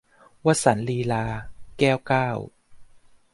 วสันต์ลีลา - แก้วเก้า